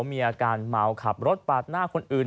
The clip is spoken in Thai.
มีอาการเมาขับรถปาดหน้าคนอื่น